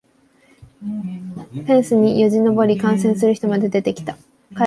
フェンスによじ登り観戦する人まで出てきた